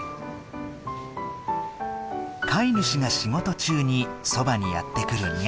飼い主が仕事中にそばにやって来るニャンたち。